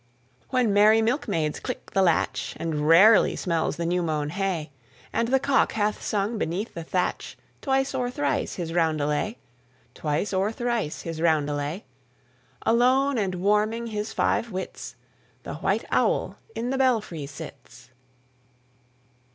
When merry milkmaids click the latch, And rarely smells the new mown hay, And the cock hath sung beneath the thatch Twice or thrice his roundelay, Twice or thrice his roundelay; Alone and warming his five wits, The white owl in the belfry sits.